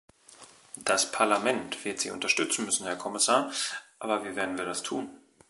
Das Parlament wird Sie unterstützen müssen, Herr Kommissar, aber wie werden wir das tun?